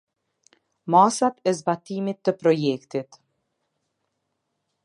Masat e Zbatimit të Projektit.